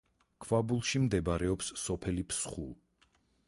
ქვაბულში მდებარეობს სოფელი ფსხუ.